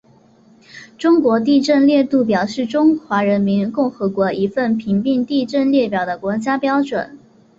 中国地震烈度表是中华人民共和国一份评定地震烈度的国家标准。